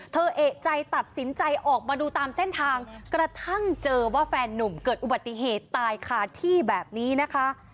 เอกใจตัดสินใจออกมาดูตามเส้นทางกระทั่งเจอว่าแฟนนุ่มเกิดอุบัติเหตุตายคาที่แบบนี้นะคะ